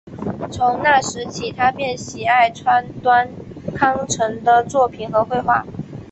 从那时起他便喜爱川端康成的作品和绘画。